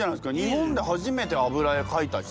日本で初めて油絵かいた人？